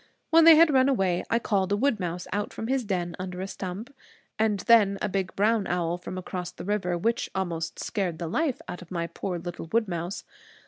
When they had run away, I called a wood mouse out from his den under a stump; and then a big brown owl from across the river which almost scared the life out of my poor little wood mouse.